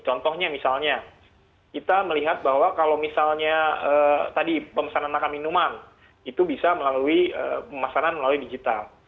contohnya misalnya kita melihat bahwa kalau misalnya tadi pemesanan makan minuman itu bisa melalui pemesanan melalui digital